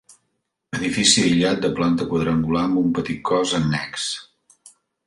Edifici aïllat de planta quadrangular amb un petit cos annex.